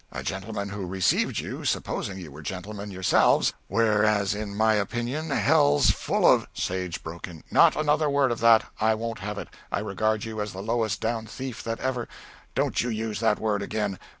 a gentleman who received you supposing you were gentlemen yourselves, whereas in my opinion hell's full of " Sage broke in "Not another word of that! I won't have it. I regard you as the lowest down thief that ever " "Don't you use that word again!